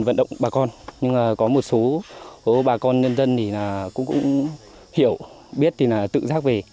vận động bà con nhưng có một số bà con nhân dân cũng hiểu biết tự giác về